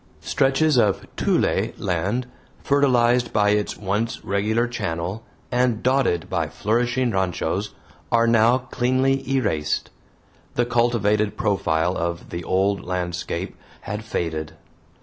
Stretches of "tule" land fertilized by its once regular channel and dotted by flourishing ranchos are now cleanly erased. The cultivated profile of the old landscape had faded.